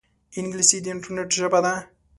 انګلیسي د انټرنیټ ژبه ده